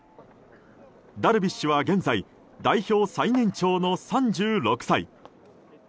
ダルビッシュは現在代表最年長の３６歳。